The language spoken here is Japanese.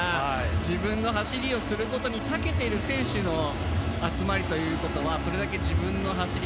自分の走りをすることにたけている選手の集まりということはそれだけ自分の走り